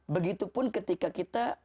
begitupun ketika kita